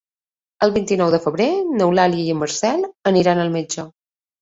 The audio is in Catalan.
El vint-i-nou de febrer n'Eulàlia i en Marcel aniran al metge.